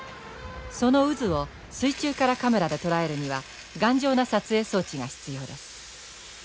その渦を水中からカメラで捉えるには頑丈な撮影装置が必要です。